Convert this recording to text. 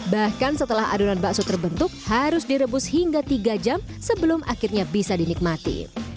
bahkan setelah adonan bakso terbentuk harus direbus hingga tiga jam sebelum akhirnya bisa dinikmati